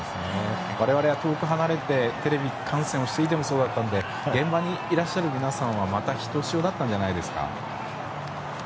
我々、遠く離れてテレビ観戦をしていてもそうだったので現場にいらっしゃる皆さんはまた、ひとしおだったんじゃないですか？